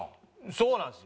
そうなんですよ。